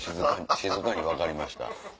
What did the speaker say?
静かに「分かりました」。